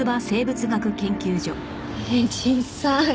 へえ小さい。